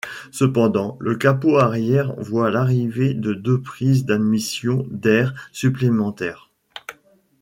Cependant, le capot arrière voit l'arrivée de deux prises d'admission d'air supplémentaires.